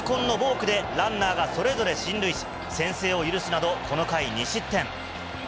痛恨のボークで、ランナーがそれぞれ進塁し、先制を許すなど、この回、２失点。